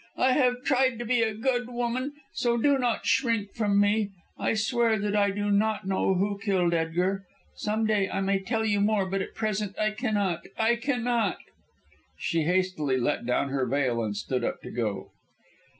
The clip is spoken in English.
I have tried to be a good woman, so do not shrink from me. I swear that I do not know who killed Edgar. Some day I may tell you more, but at present I cannot I cannot." She hastily let down her veil and stood up to go.